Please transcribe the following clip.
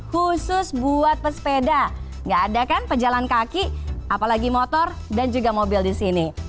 khusus buat pesepeda nggak ada kan pejalan kaki apalagi motor dan juga mobil di sini